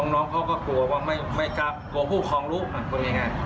น้องเขาก็กลัวว่าไม่กลับกลัวผู้ครองรู้มันเป็นยังไง